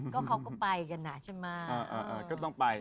ก็เขาก็ไปกันนะใช่มั้ย